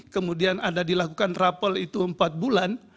kemudian ada dilakukan rapel itu empat bulan